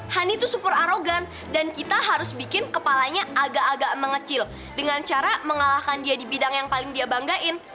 honey itu super arogan dan kita harus bikin kepalanya agak agak mengecil dengan cara mengalahkan dia di bidang yang paling dia banggain